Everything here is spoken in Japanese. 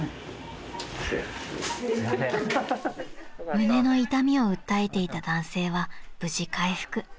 ［胸の痛みを訴えていた男性は無事回復］